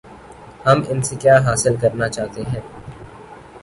ہم ان سے کیا حاصل کرنا چاہتے ہیں؟